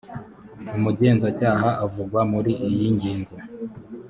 umugenzacyaha uvugwa muri iyi ngingo